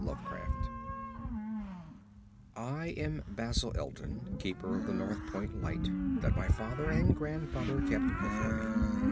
Lovecraft I am Basil Elton, keeper of the North Point light that my father and grandfather kept before me.